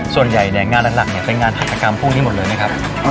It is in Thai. ส่วนใหญ่เนี่ยงานหลักเนี่ยเป็นงานเกษตรกรรมพวกนี้หมดเลยเนี่ยครับ